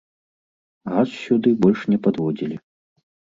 Газ сюды больш не падводзілі.